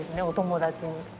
お友達に。